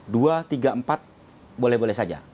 dua tiga empat boleh boleh saja